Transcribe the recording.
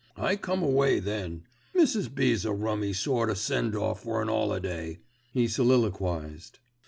I come away then. Mrs. B.'s a rummy sort o' send off for an 'oliday," he soliloquised.